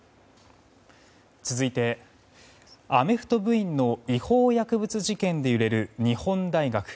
続いて、アメフト部員の違法薬物事件で揺れる日本大学。